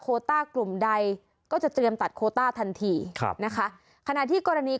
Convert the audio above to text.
ต้ากลุ่มใดก็จะเตรียมตัดโคต้าทันทีครับนะคะขณะที่กรณี